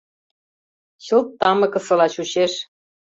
Чылт тамыкысыла чучеш...